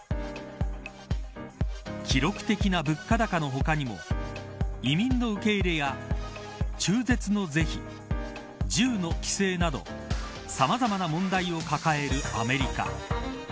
記録的な物価高の他にも移民の受け入れや中絶の是非銃の規制などさまざまな問題を抱えるアメリカ。